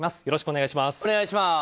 よろしくお願いします。